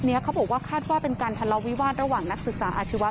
เขาบอกว่าคาดว่าเป็นการทะเลาวิวาสระหว่างนักศึกษาอาชีวะ